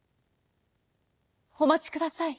「おまちください。